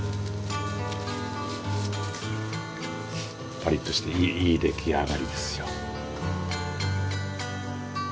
パリッとしていい出来上がりですよ。